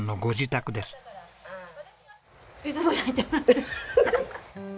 いつも焼いてもらってるハハハ。